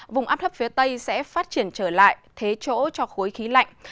vùng áp thấp phía tây sẽ phát triển trở lại thế chỗ cho khối khí lạnh